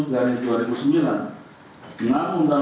garis gakar tujuh